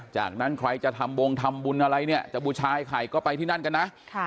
จากนั้นใครจะทำบงทำบุญอะไรเนี่ยจะบูชายไข่ก็ไปที่นั่นกันนะ